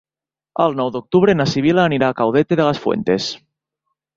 El nou d'octubre na Sibil·la anirà a Caudete de las Fuentes.